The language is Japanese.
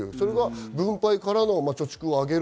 分配からの貯蓄をあげる。